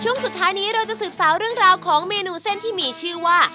ช่วงสุดท้ายนี้เราจะสืบสาวเรื่องราวของเมนูเส้นที่มีชื่อว่า